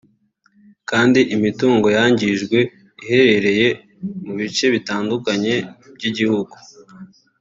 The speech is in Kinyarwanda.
kandi imitungo yangijwe iherereye mu bice bitandukanye by’igihugu